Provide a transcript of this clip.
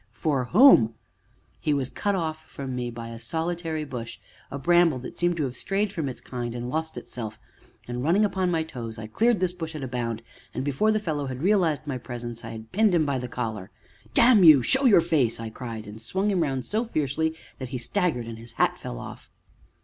for whom? He was cut off from me by a solitary bush, a bramble, that seemed to have strayed from its kind and lost itself, and, running upon my toes, I cleared this bush at a bound, and, before the fellow had realized my presence, I had pinned him by the collar. "Damn you! show your face!" I cried, and swung him round so fiercely that he staggered, and his hat fell off.